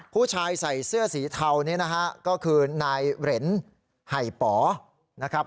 ผู้ชายใส่เสื้อสีเทานี้นะฮะก็คือนายเหรนไห่ป๋อนะครับ